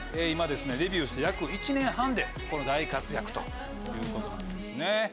今デビューして約１年半でこの大活躍ということなんですね。